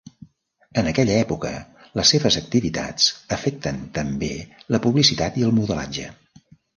En aquella època, les seves activitats afecten també la publicitat i el modelatge.